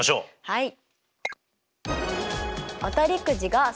はい。